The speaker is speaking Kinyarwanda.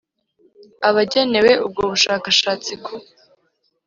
Abagenewe ubwo bushakashatsi ku